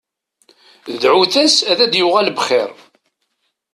Dɛut-as ad d-yuɣal bxir.